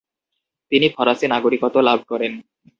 তিনি ফরাসি নাগরিকত্ব লাভ করেন।